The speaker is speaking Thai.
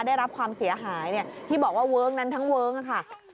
ได้รับความเสียหายที่บอกว่าเวิ้งนั้นทั้งเวิ้งค่ะ